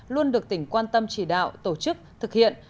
luôn được tỉnh quan tâm chỉ đạo tổ chức thực hiện